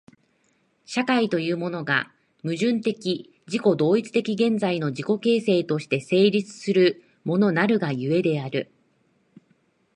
社会というものが、矛盾的自己同一的現在の自己形成として成立するものなるが故である。